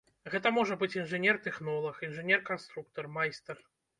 Гэта можа быць інжынер-тэхнолаг, інжынер-канструктар, майстар.